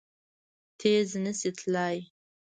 تېز نه شي تلای!